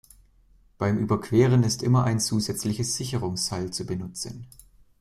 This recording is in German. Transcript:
Beim Überqueren ist immer ein zusätzliches Sicherungsseil zu benutzen.